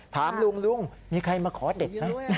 ถามลุงมีใครมาขอเด็ดนะ